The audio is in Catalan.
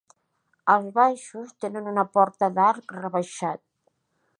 Els baixos tenen una porta d'arc rebaixat.